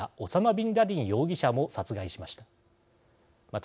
ビンラディン容疑者も殺害しました。